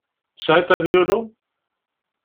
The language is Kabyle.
Tesεiḍ avyulu?